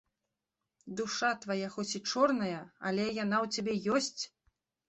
Душа твая хоць і чорная, але яна ў цябе ёсць.